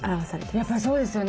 やっぱりそうですよね。